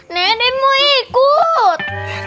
nenek mau ikut